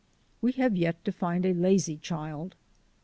We have yet to find a lazy child.